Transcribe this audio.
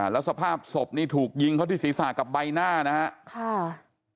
แล้วสภาพศพนี่ถูกยิงเขาที่ศีรษะกับใบหน้านะครับ